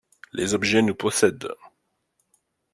Les objets nous possèdent.